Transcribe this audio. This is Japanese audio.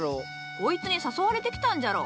こいつに誘われて来たんじゃろ。